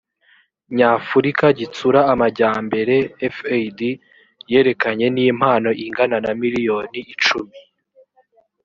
nyafurika gitsura amajyambere fad yerekeranye n impano ingana na miliyoni icumi